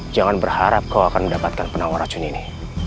jangan berharap kau akan mendapatkan penawar racun ini